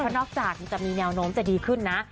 นอกจากมันจะมีแมวนมจะดีขึ้นนะ